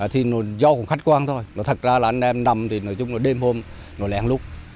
thì do khách quan thôi thật ra là anh em nằm thì nói chung là đêm hôm nó lén lúc